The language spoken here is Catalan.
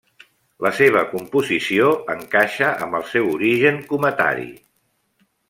La seva composició encaixa amb el seu origen cometari.